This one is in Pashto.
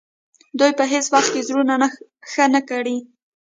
دوی به هیڅ وخت زړونه ښه نه کړي.